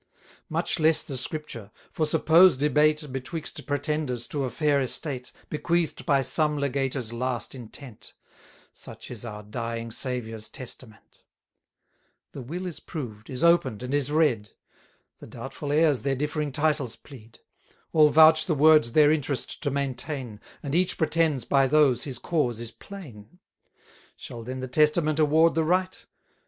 Much less the Scripture; for suppose debate Betwixt pretenders to a fair estate, Bequeath'd by some legator's last intent; (Such is our dying Saviour's Testament:) The will is proved, is open'd, and is read; The doubtful heirs their differing titles plead: All vouch the words their interest to maintain, And each pretends by those his cause is plain. 380 Shall then the Testament award the right?